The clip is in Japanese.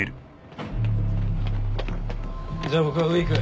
じゃあ僕は上行く。